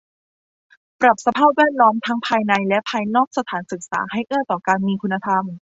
ปรับสภาพแวดล้อมทั้งภายในและภายนอกสถานศึกษาให้เอื้อต่อการมีคุณธรรม